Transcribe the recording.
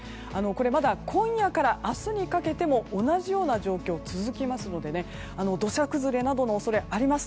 まだ今夜から明日にかけても同じような状況が続きますので土砂崩れなどの恐れあります。